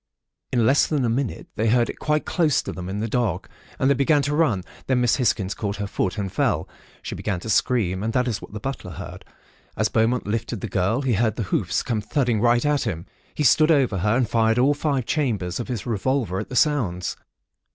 In less than a minute, they heard it quite close to them in the dark, and they began to run. Then Miss Hisgins caught her foot, and fell. She began to scream, and that is what the butler heard. As Beaumont lifted the girl, he heard the hoofs come thudding right at him. He stood over her, and fired all five chambers of his revolver at the sounds.